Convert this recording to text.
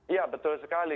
iya betul sekali